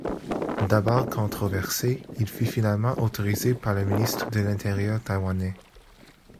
D'abord controversé, il fut finalement autorisé par le Ministre de l'Intérieur taïwanais.